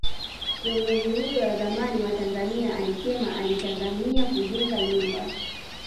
Kiongozi huyo wa zamani wa Tanzania alisema alitazamia kujenga nyumba